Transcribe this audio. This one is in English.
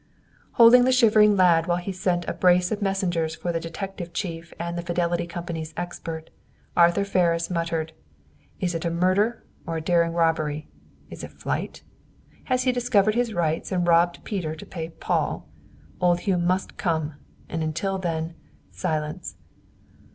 Holding the shivering lad while he sent a brace of messengers for the detective chief and the Fidelity Company's expert, Arthur Ferris muttered, "Is it murder or a daring robbery? Is it flight? Has he discovered his rights and robbed Peter to pay Paul? Old Hugh must come, and until then, silence!"